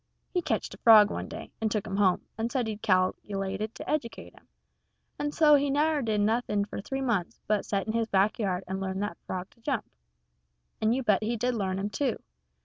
He ketched a frog one day, and took him home, and said he cal'lated to educate him; and so he never done nothing for three months but set in his back yard and learn that frog to jump. And you bet you he did learn him, too.